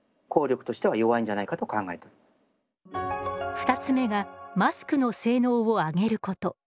２つ目がマスクの性能を上げること。